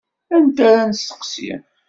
Anta ara nesteqsi?